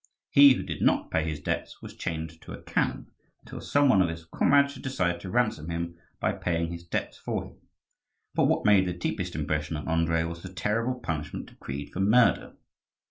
He who did not pay his debts was chained to a cannon, until some one of his comrades should decide to ransom him by paying his debts for him. But what made the deepest impression on Andrii was the terrible punishment decreed for murder.